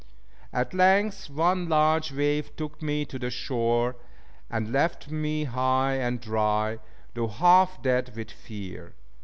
At length one large wave took me to the shore, and left me high and dry, though half dead with fear.